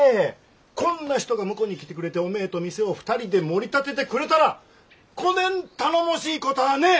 こんな人が婿に来てくれておめえと店を２人でもり立ててくれたらこねん頼もしいこたあねえ！